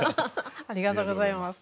ありがとうございます。